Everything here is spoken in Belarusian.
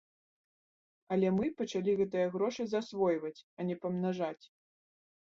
Але мы пачалі гэтыя грошы засвойваць, а не памнажаць.